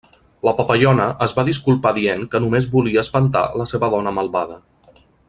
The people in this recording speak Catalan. La papallona es va disculpar dient que només volia espantar la seva dona malvada.